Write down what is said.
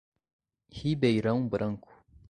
Ribeirão Branco